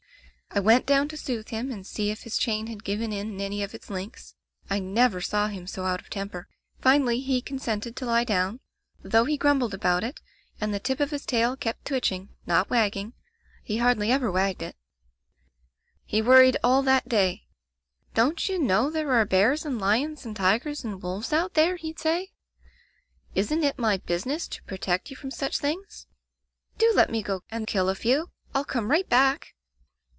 "I went down to soothe him and see if his chain had given in any of its links. I never saw him so out of temper. Finally he consented to lie down, though he grum [1463 Digitized by LjOOQ IC The Gray Collie bled about it, and the tip of his tail kept twitching, not wagging. He hardly ever wagged it. "He worried all that day. 'Don't you know there are bears and lions and tigers and wolves out there?' he'd say —* Isn't it my business to protect you from such things ? Do let me go and kill a few. I'll come right back!'